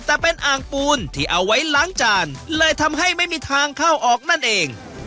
แต่เป็นอ่างปูนที่เอาไว้ล้างจานเลยทำให้ไม่มีทางเข้าออกนั่นเอง